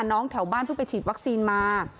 น้องแถวบ้านเพื่อไปฉีดวัคซีนมา